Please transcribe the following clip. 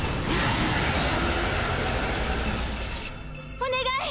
お願い！